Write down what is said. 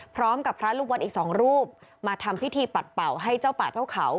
พร้อมกับพระลูกวัดอีกสองรูปมาทำพิธีปัดเป่าให้เจ้าป่าเจ้าเขา